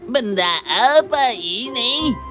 benda apa ini